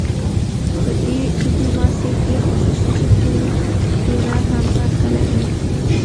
په دې ډیپلوماسي کې خصوصي سکتورونه هم برخه لري